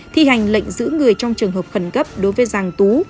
thi hành lệnh giữ người trong trường hợp khẩn cấp đối với giàng tú